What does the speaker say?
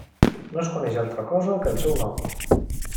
No es coneix altra cosa que el seu nom.